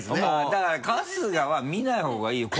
だから春日は見ない方がいいよ。